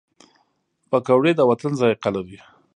پکورې د وطن ذایقه لري